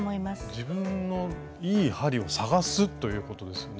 自分のいい針を探すということですね。